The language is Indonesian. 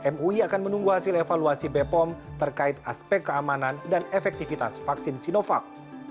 mui akan menunggu hasil evaluasi bepom terkait aspek keamanan dan efektivitas vaksin sinovac